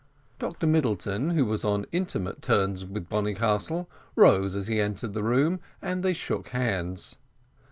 Dr Middleton, who was on intimate terms with Bonnycastle, rose as he entered the room, and they shook hands.